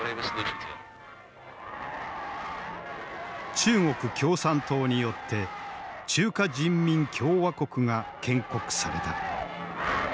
中国共産党によって中華人民共和国が建国された。